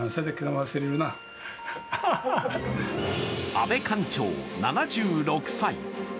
阿部館長、７６歳。